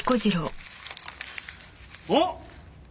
あっ！